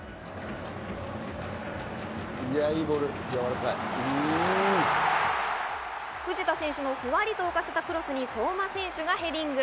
いや、いいボール、やわらか藤田選手のふわりと浮かせたクロスに相馬選手がヘディング。